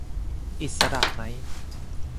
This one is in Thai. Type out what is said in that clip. อิสระไหม